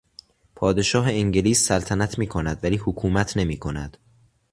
پادشاه انگلیس سلطنت میکند ولی حکومت نمیکند.